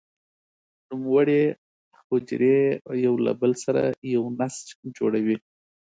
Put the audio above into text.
نوموړې حجرې یو له بل سره یو نسج جوړوي.